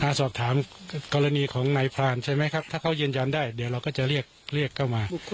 ถ้าสอบถามกรณีของนายพรานใช่ไหมครับถ้าเขายืนยันได้เดี๋ยวเราก็จะเรียกเรียกเข้ามา